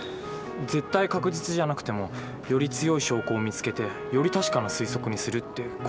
絶対確実じゃなくてもより強い証拠を見つけてより確かな推測にするってこういう事なのか。